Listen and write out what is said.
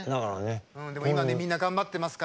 うんでも今ねみんな頑張ってますから。